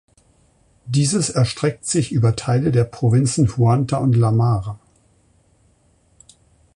Dieses erstreckt sich über Teile der Provinzen Huanta und La Mar.